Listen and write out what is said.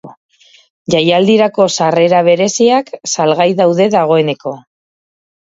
Jaialdirako sarrera bereziak salgai daude dagoeneko.